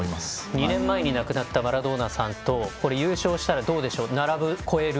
２年前に亡くなったマラドーナさんと優勝したら並ぶ、超える。